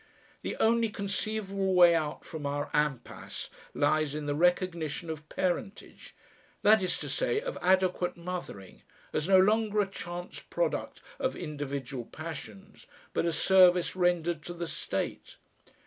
The only conceivable way out from our IMPASSE lies in the recognition of parentage, that is to say of adequate mothering, as no longer a chance product of individual passions but a service rendered to the State.